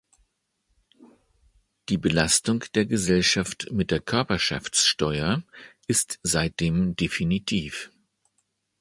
Die Belastung der Gesellschaft mit der Körperschaftsteuer ist seitdem definitiv.